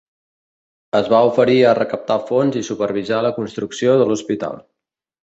Es va oferir a recaptar fons i supervisar la construcció de l'hospital.